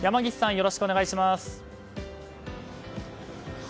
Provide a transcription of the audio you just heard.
よろしくお願いします。